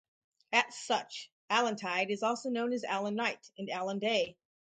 As such, Allantide is also known as Allan Night and Allan Day.